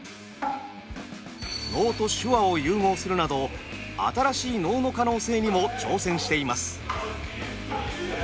能と手話を融合するなど新しい能の可能性にも挑戦しています。